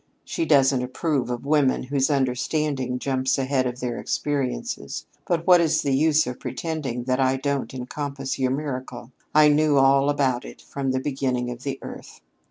She doesn't approve of women whose understanding jumps ahead of their experiences. But what is the use of pretending that I don't encompass your miracle? I knew all about it from the beginning of the earth.